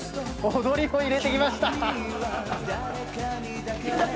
踊りも入れてきました。